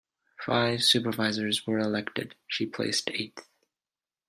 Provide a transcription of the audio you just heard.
Five supervisors were elected; she placed eighth.